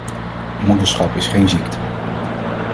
Moederschap is geen ziekte.